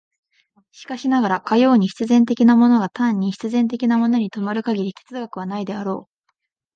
しかしながら、かように必然的なものが単に必然的なものに止まる限り哲学はないであろう。